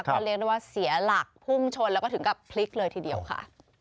ก็เรียกได้ว่าเสียหลักพุ่งชนแล้วก็ถึงกับพลิกเลยทีเดียวค่ะ